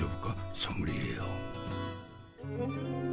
ソムリエよ。